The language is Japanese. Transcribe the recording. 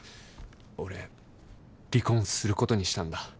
俺離婚することにしたんだ。